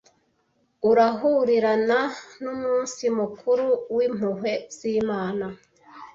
urahurirana n’umunsi mukuru w’Impuhwe z’Imana,